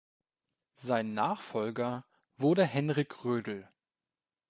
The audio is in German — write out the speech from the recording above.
Sein Nachfolger wurde Henrik Rödl.